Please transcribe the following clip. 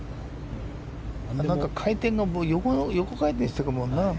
回転が横回転してるもんな。